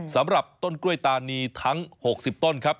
สำหรับต้นกล้วยตานีทั้ง๖๐ต้นครับ